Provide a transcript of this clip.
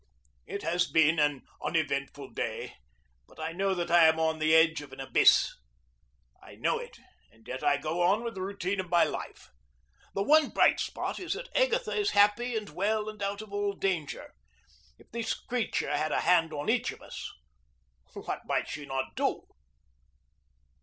It has been an uneventful day, but I know that I am on the edge of an abyss. I know it, and yet I go on with the routine of my life. The one bright spot is that Agatha is happy and well and out of all danger. If this creature had a hand on each of us, what might she not do?